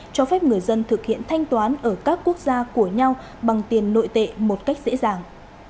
cho phép người dân thực hiện thanh toán ở các quốc gia của nhau bằng tiền nội tệ một cách dễ dàng